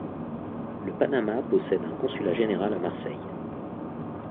Le Panama possède un consulat général à Marseille.